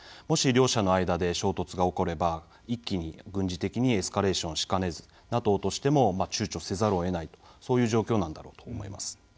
もし両者の間で衝突が起これば一気に、軍事的にエスカレーションしかねずＮＡＴＯとしてもちゅうちょせざるを得ないそういう状況なんだろうと思います。